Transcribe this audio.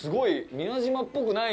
宮島っぽくない。